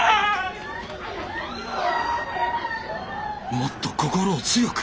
もっと心を強く！